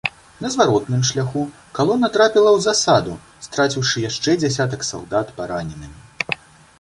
На зваротным шляху калона трапіла ў засаду, страціўшы яшчэ дзясятак салдат параненымі.